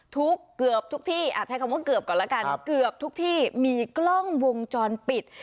เกือบทุกที่ใช้คำว่าเกือบก่อนแล้วกันเกือบทุกที่มีกล้องวงจรปิด